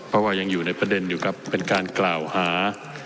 เพราะว่ายังอยู่ในประเด็นอยู่ครับเป็นการกล่าวหา